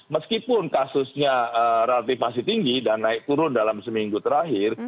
meskipun kasusnya relatif masih tinggi dan naik turun dalam seminggu terakhir